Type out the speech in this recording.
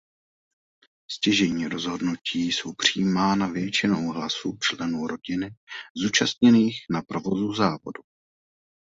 Stěžejní rozhodnutí jsou přijímána většinou hlasů členů rodiny zúčastněných na provozu závodu.